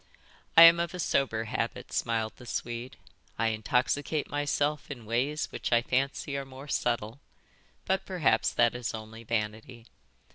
"I am of a sober habit," smiled the Swede. "I intoxicate myself in ways which I fancy are more subtle. But perhaps that is only vanity.